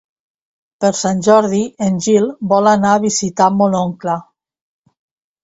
Per Sant Jordi en Gil vol anar a visitar mon oncle.